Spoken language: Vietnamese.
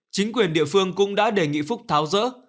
chính quyền địa phương cũng đã đề nghị phúc tháo rỡ